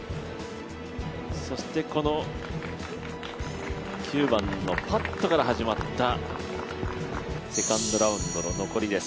そしてこの９番のパットから始まったセカンドラウンドの残りです。